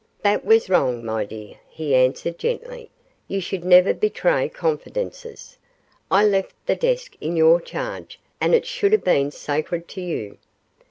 'That was wrong, my dear,' he answered, gently, 'you should never betray confidences I left the desk in your charge, and it should have been sacred to you.